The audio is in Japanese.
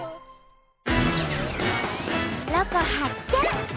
ロコ発見！